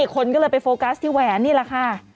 คนก็เลยไปโฟกัสที่แหวนนี่แหละค่ะ